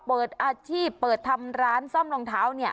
เปิดอาชีพเปิดทำร้านซ่อมรองเท้าเนี่ย